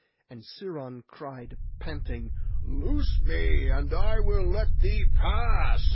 And Sciron cried panting, 'Loose me, and I will let thee pass.